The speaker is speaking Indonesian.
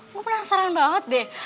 gue penasaran banget deh